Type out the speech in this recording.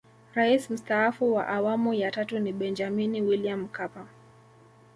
Rais Mstaafu wa Awamu ya Tatu ni Benjamini William Mkapa